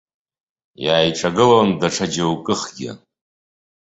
Иааиҿагылон даҽа џьоукыхгьы.